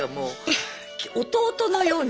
弟のように。